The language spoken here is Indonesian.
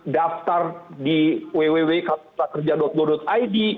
dia pakai istilahnya mengdaftar di www karakterja go id